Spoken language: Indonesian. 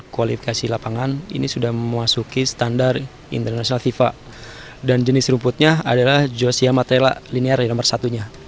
kualifikasi lapangan ini sudah memasuki standar international fifa dan jenis rumputnya adalah zosia matrela linear yang nomor satunya